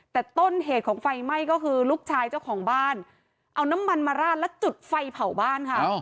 แต่ต้นเหตุของไฟไหม้ก็คือลูกชายเจ้าของบ้านเอาน้ำมันมาราดและจุดไฟเผาบ้านค่ะ